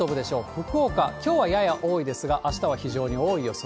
福岡、きょうはやや多いですが、あしたは非常に多い予想。